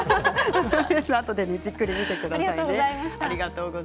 あとでじっくり見てくださいね。